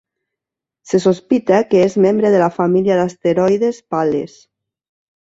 Se sospita que és membre de la família d'asteroides Pal·les.